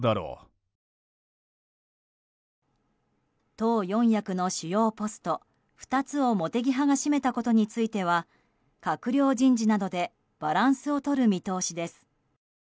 党４役の主要ポスト２つを茂木派が占めたことについては閣僚人事などでバランスをとる見通しです。